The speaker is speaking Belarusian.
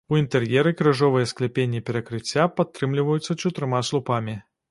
У інтэр'еры крыжовыя скляпенні перакрыцця падтрымліваюцца чатырма слупамі.